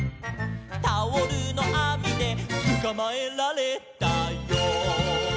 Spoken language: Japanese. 「タオルのあみでつかまえられたよ」